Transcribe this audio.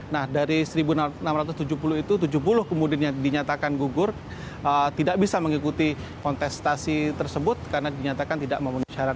nah dari satu enam ratus tujuh puluh itu tujuh puluh kemudian yang dinyatakan gugur tidak bisa mengikuti kontestasi tersebut karena dinyatakan tidak memenuhi syarat